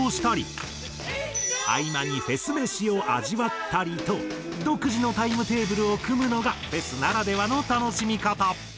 合間にフェス飯を味わったりと独自のタイムテーブルを組むのがフェスならではの楽しみ方。